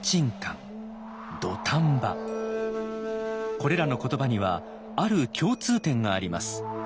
これらの言葉にはある共通点があります。